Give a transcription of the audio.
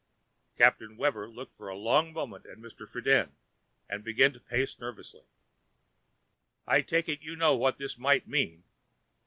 Captain Webber looked for a long moment at Mr. Friden and began to pace nervously. "I take it you know what this might mean?"